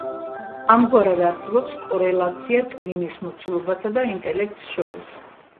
ამგვარად, არსებობს კორელაცია ტვინის მოცულობასა და ინტელექტს შორის.